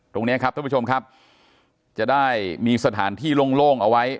ตรงนี้ครับท่านผู้ชมครับจะได้มีสถานที่โล่งเอาไว้